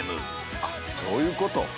あっそういうこと！